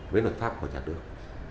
với luật pháp của nhà đường